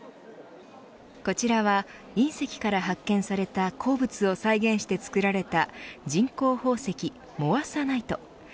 こちらは、隕石から発見された鉱物を再現して作られた人工宝石モアサナイト。